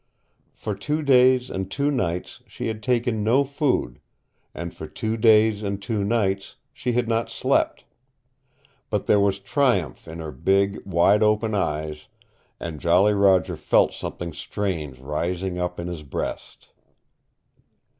For two days and two nights she had taken no food, and for two days and two nights she had not slept. But there was triumph in her big, wide open eyes, and Jolly Roger felt something strange rising up in his breast.